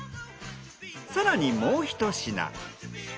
更にもうひと品。